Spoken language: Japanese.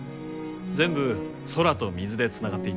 全部空と水でつながっていて。